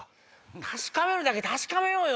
確かめるだけ確かめようよ。